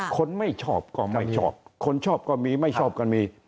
คนไม่ชอบก็ไม่ชอบคนชอบก็มีไม่ชอบก็มี